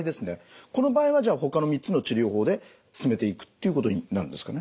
この場合はじゃあほかの３つの治療法で進めていくっていうことになるんですかね？